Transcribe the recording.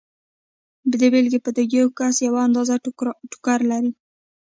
د بېلګې په توګه یو کس یوه اندازه ټوکر لري